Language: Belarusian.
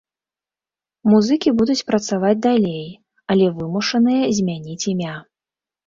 Музыкі будуць працаваць далей, але вымушаныя змяніць імя.